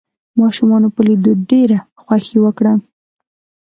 ماشومانو په ليدو ډېره خوښي وکړه.